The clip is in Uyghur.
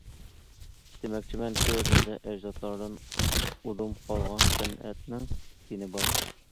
دېمەكچىمەنكى، بىزدە ئەجدادلاردىن ئۇدۇم قالغان سەنئەتنىڭ گېنى بار.